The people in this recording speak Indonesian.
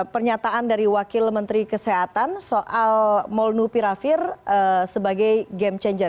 pernyataan dari wakil menteri kesehatan soal molnupiravir sebagai game changer